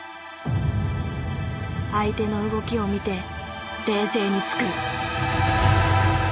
相手の動きを見て冷静に突く。